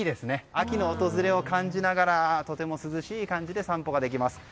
秋の訪れを感じながらとても涼しい感じで散歩ができます。